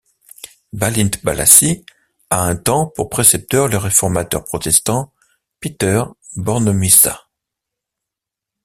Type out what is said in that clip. Bálint Balassi a un temps pour précepteur le réformateur protestant Péter Bornemisza.